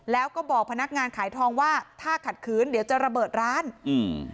แล้วก็บอกพนักงานขายทองว่าถ้าขัดขืนเดี๋ยวจะระเบิดร้านอืม